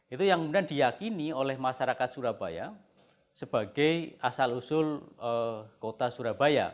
itu yang kemudian diyakini oleh masyarakat surabaya sebagai asal usul kota surabaya